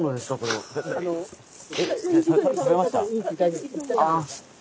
大丈夫。